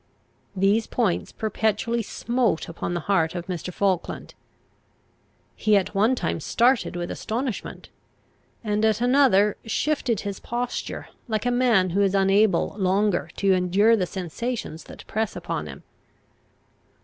These points perpetually smote upon the heart of Mr. Falkland. He at one time started with astonishment, and at another shifted his posture, like a man who is unable longer to endure the sensations that press upon him.